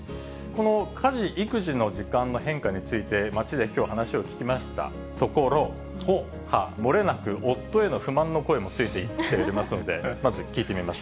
この家事・育児の時間の変化について、街できょう、話を聞きましたところ、もれなく夫への不満の声もついてくれてますので、まず聞いてみま